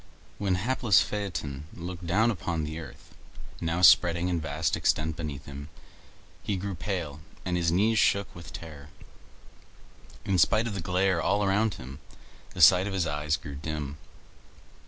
When hapless Phaeton looked down upon the earth, now spreading in vast extent beneath him, he grew pale and his knees shook with terror. In spite of the glare all around him, the sight of his eyes grew dim.